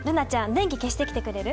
電気消してきてくれる？